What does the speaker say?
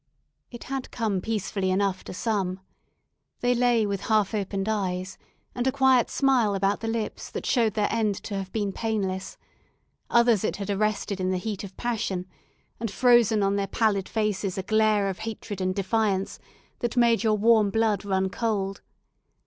It had come peacefully enough to some. They lay with half opened eyes, and a quiet smile about the lips that showed their end to have been painless; others it had arrested in the heat of passion, and frozen on their pallid faces a glare of hatred and defiance that made your warm blood run cold.